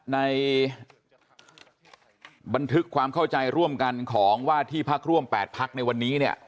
ในบันทึกความเข้าใจร่วมกันของว่าที่พักร่วม๘พักในวันนี้เนี่ย